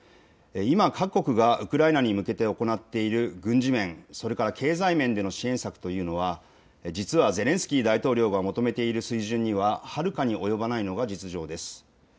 今、各国がウクライナに向けて行っている軍事面、それから経済面の支援策というのは実はゼレンスキー大統領が求めている水準にははるかに及ばないのが実情です。